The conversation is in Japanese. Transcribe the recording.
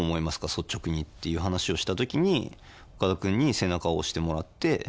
率直に」っていう話をした時に岡田君に背中を押してもらって。